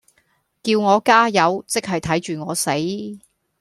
叫我加油，即係睇住我死